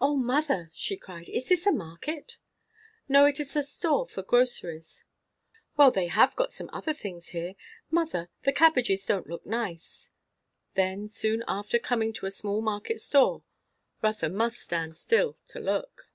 "O mother," she cried, "is this a market?" "No. It is a store for groceries." "Well, they have got some other things here. Mother, the cabbages don't look nice." Then soon after coming to a small market store, Rotha must stand still to look.